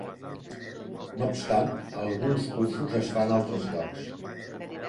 No obstant, alguns cursos es fan a altres llocs.